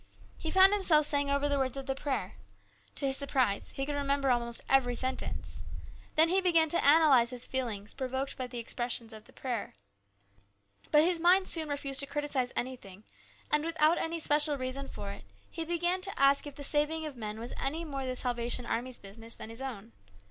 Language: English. He found himself saying over the words of the prayer. To his surprise he could A CHANGE. 97 remember almost every sentence. Then he began to analyse his feelings, provoked by the expressions of the prayer. But his mind soon refused to criticise anything, and, without any special reason for it, he began to ask if the saving of men was any more the Salvation Army's business than his own.